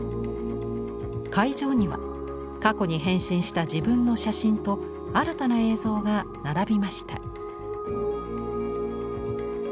会場には過去に変身した自分の写真と新たな映像が並びました。